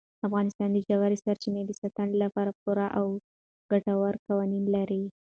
افغانستان د ژورې سرچینې د ساتنې لپاره پوره او ګټور قوانین لري.